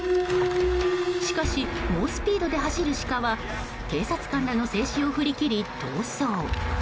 しかし、猛スピードで走るシカは警察官らの制止を振り切り逃走。